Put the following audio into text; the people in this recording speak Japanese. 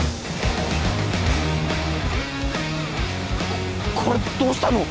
こっこれどうしたの？